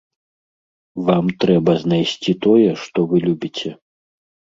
Вам трэба знайсці тое, што вы любіце.